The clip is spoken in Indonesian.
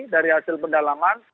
dari hasil pendalaman